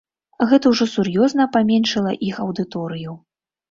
Гэта ўжо сур'ёзна паменшыла іх аўдыторыю.